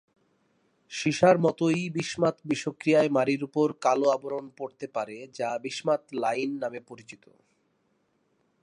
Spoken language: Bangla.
সীসার মতই বিসমাথ বিষক্রিয়ায় মাড়ির উপর কালো আবরণ পড়তে পারে, যা বিসমাথ লাইন নামে পরিচিত।